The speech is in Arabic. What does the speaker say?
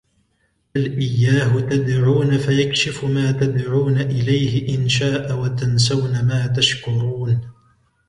بل إياه تدعون فيكشف ما تدعون إليه إن شاء وتنسون ما تشركون